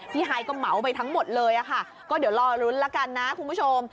ฮายก็เหมาไปทั้งหมดเลยค่ะก็เดี๋ยวรอลุ้นละกันนะคุณผู้ชม